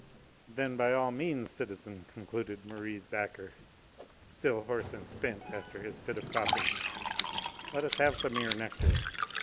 "Then by all means, citizen," concluded Merri's backer, still hoarse and spent after his fit of coughing, "let us have some of your nectar.